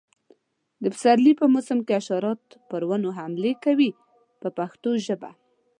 د پسرلي په موسم کې حشرات پر ونو حملې کوي په پښتو ژبه.